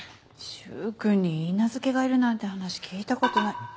柊君に許嫁がいるなんて話聞いたことない。